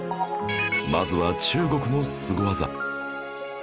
まずは中国のスゴ技